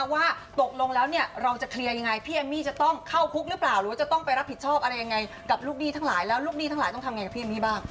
ว่าตกลงแล้วเนี่ยเราจะเคลียร์ยังไงพี่เอมมี่จะต้องเข้าคุกหรือเปล่าหรือว่าจะต้องไปรับผิดชอบอะไรยังไงกับลูกหนี้ทั้งหลายแล้วลูกหนี้ทั้งหลายต้องทำไงกับพี่เอมมี่บ้าง